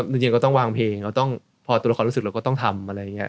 ดังเย็นก็ต้องวางเพลงพอตัวละครรู้สึกก็ต้องทำ